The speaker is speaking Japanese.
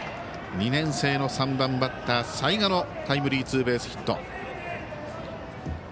２年生の３番バッター、齊賀のタイムリーツーベースヒット。